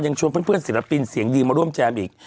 ชวนเพื่อนศิลปินเสียงดีมาร่วมแจมอีก